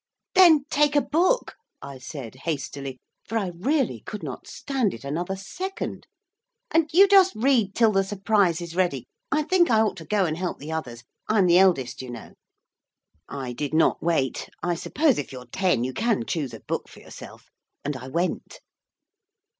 'Then take a book,' I said hastily, for I really could not stand it another second, 'and you just read till the surprise is ready. I think I ought to go and help the others. I'm the eldest, you know.' I did not wait I suppose if you're ten you can choose a book for yourself and I went.